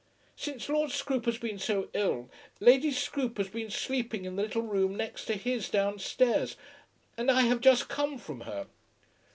"Since Lord Scroope has been so ill, Lady Scroope has been sleeping in the little room next to his, downstairs, and I have just come from her."